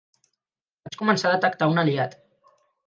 Vaig començar a detectar un aliat.